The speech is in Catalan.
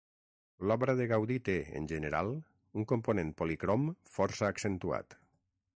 L'obra de Gaudí té, en general, un component policrom força accentuat.